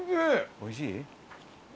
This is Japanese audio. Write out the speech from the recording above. おいしい？